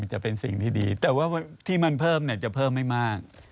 จะเป็นสิ่งที่ดีแต่ว่าที่มันเพิ่มเนี่ยจะเพิ่มไม่มาก